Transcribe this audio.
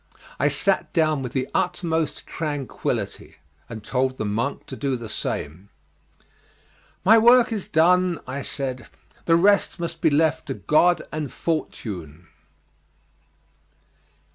I sat down with the utmost tranquillity, and told the monk to do the same. "My work is done," I said, "the rest must be left to God and fortune.